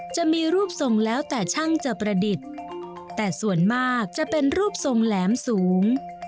จะมีรูปทรงแล้วแต่ช่างจะประดิษฐ์แต่ส่วนมากจะเป็นรูปทรงแหลมสูง